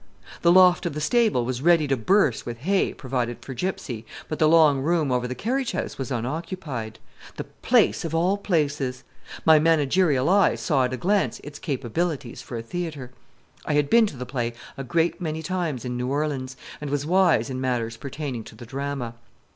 The loft of the stable was ready to burst with hay provided for Gypsy, but the long room over the carriage house was unoccupied. The place of all places! My managerial eye saw at a glance its capabilities for a theatre. I had been to the play a great many times in New Orleans, and was wise in matters pertaining to the drama.